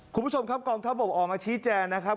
คุณผู้ชมครับกองทัพบกออกมาชี้แจงนะครับ